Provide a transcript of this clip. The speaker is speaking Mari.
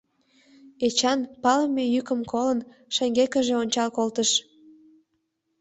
Эчан, палыме йӱкым колын, шеҥгекыже ончал колтыш.